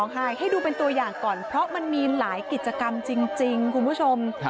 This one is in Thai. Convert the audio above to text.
ให้ดูเป็นตัวอย่างก่อนเพราะมันมีหลายกิจกรรมจริงคุณผู้ชม